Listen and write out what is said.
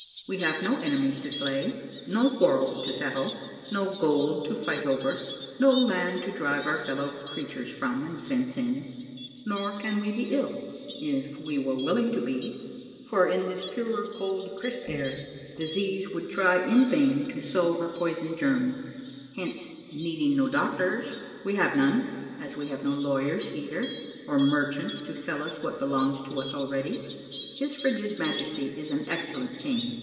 We have no enemies to slay, no quarrels to settle, no gold to fight over, no land to drive our fellow creatures from and fence in; nor can we be ill, if we were willing to be, for in this pure, cold, crisp air disease would try in vain to sow her poison germs ; hence, needing no doctors, we have none, as we have no lawyers either, or merchants to sell us what belongs to us already. His frigid Majesty is an excellent king.